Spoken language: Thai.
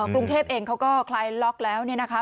กรุงเทพเองเขาก็คลายล็อกแล้วเนี่ยนะคะ